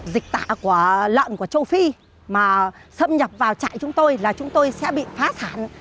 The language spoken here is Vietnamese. dịch tả của lợn của châu phi mà xâm nhập vào chạy chúng tôi là chúng tôi sẽ bị phá sản